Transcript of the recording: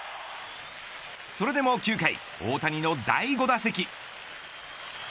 それでも９回大谷の第５打席。